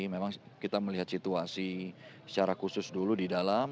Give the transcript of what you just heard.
memang kita melihat situasi secara khusus dulu di dalam